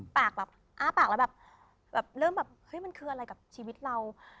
ปากแบบอ้าปากแล้วแบบเริ่มแบบเฮ้ยมันคืออะไรกับชีวิตเรา